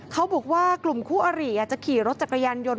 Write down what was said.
เขาบอกว่ากลุ่มคู่อารีจะขี่รถจักรยานยนต์